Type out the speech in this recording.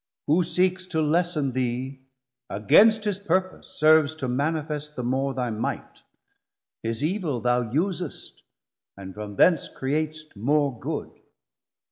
Who seekes To lessen thee, against his purpose serves To manifest the more thy might: his evil Thou usest, and from thence creat'st more good.